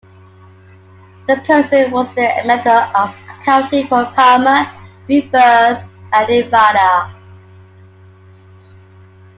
The "person" was their method of accounting for karma, rebirth, and nirvana.